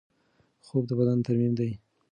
خوب د بدن ترمیم دی.